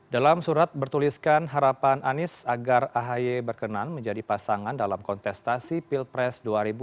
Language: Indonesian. dalam surat bertuliskan harapan anies agar ahy berkenan menjadi pasangan dalam kontestasi pilpres dua ribu dua puluh